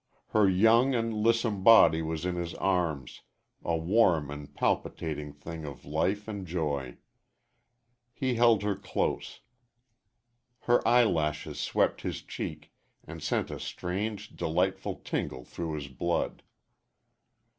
Her young and lissom body was in his arms, a warm and palpitating thing of life and joy. He held her close. Her eyelashes swept his cheek and sent a strange, delightful tingle through his blood.